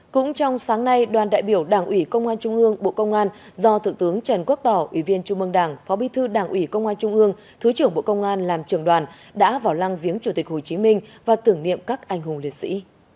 cũng trong sáng nay đoàn đại biểu đảng ủy công an trung ương bộ công an do thượng tướng trần quốc tỏ ủy viên trung mương đảng phó bí thư đảng ủy công an trung ương thứ trưởng bộ công an làm trưởng đoàn đã vào lăng viếng chủ tịch hồ chí minh và tưởng niệm các anh hùng liệt sĩ